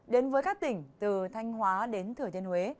đến với các tỉnh từ thanh hóa đến thừa thiên huế